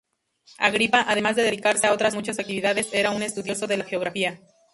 Agripa, además de dedicarse a otras muchas actividades, era un estudioso de la geografía.